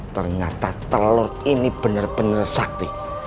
ternyata telur ini bener bener sakti